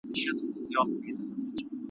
څومره ښایسته وې ماشومتوبه خو چي نه تېرېدای ,